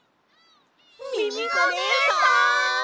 ミミコねえさん！